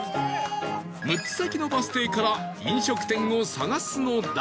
６つ先のバス停から飲食店を探すのだが